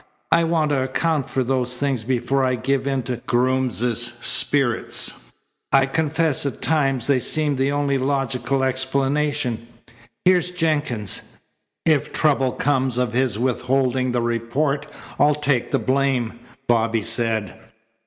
I want to account for those things before I give in to Groom's spirits. I confess at times they seem the only logical explanation. Here's Jenkins." "If trouble comes of his withholding the report I'll take the blame," Bobby said.